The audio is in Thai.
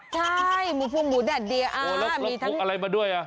ใช่หมูพุงหมูแดดเดียโอ้แล้วพกอะไรมาด้วยอ่ะ